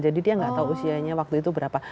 jadi dia gak tahu usianya waktu itu berapa